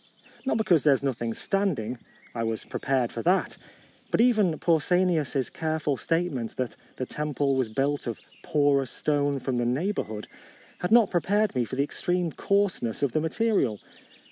Not be cause there is nothing standing ; I was prepared for that. But even Pausanias's careful statement, that the temple was built of "porous stone from the neighbourhood," had not prepared me for the ex treme coarseness of the material.